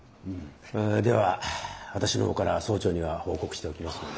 えでは私の方から総長には報告しておきますので。